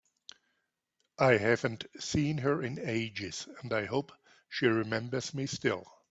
I haven’t seen her in ages, and I hope she remembers me still!